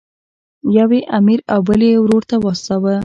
یو یې امیر او بل یې ورور ته واستاوه.